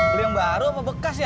beli yang baru sama bekas ya